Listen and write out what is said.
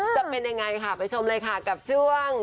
จะเป็นยังไงค่ะไปชมเลยค่ะกับช่วง